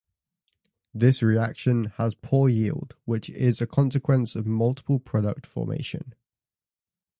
This reaction has poor yield which is a consequence of multiple product formation.